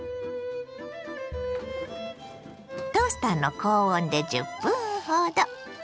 トースターの高温で１０分ほど。